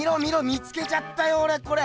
見つけちゃったよおれこれ！